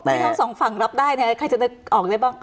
ที่ทั้งสองฝั่งรับได้ใครจะนึกออกได้บ้าง